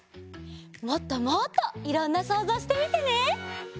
もっともっといろんなそうぞうしてみてね！